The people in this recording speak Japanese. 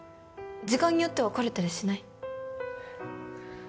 時間によっては来れたりしない？